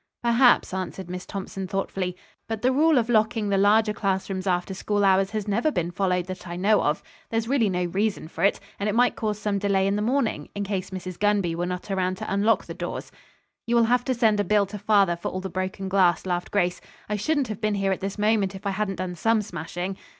"Perhaps," answered Miss Thompson thoughtfully, "but the rule of locking the larger classrooms after school hours has never been followed that I know of. There is really no reason for it, and it might cause some delay in the morning, in case Mrs. Gunby were not around to unlock the doors." "You will have to send a bill to father for all the broken glass," laughed Grace. "I shouldn't have been here at this moment if I hadn't done some smashing."